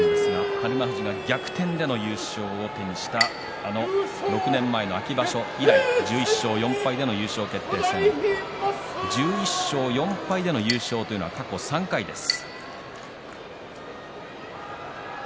日馬富士が逆転での優勝を手にしたあの６年前の秋場所以来１１勝４敗での優勝決定戦、１１勝４敗での優勝というのは過去３回です。